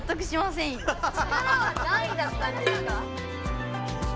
・「力」は何位だったんですか？